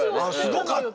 すごかった。